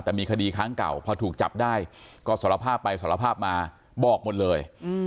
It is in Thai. แต่มีคดีครั้งเก่าพอถูกจับได้ก็สารภาพไปสารภาพมาบอกหมดเลย